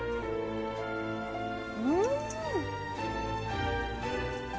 うん！